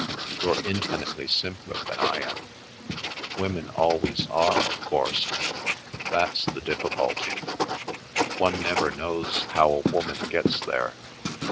"You're infinitely simpler than I am. Women always are, of course. That's the difficulty. One never knows how a woman gets there.